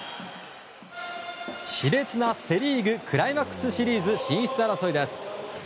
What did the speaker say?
熾烈なセ・リーグクライマックスシリーズ進出争いです。